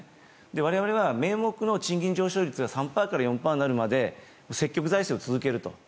我々は名目の賃金上昇率が３％から４％になるまで積極財政を続けると。